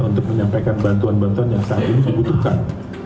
untuk menyampaikan bantuan bantuan yang saat ini dibutuhkan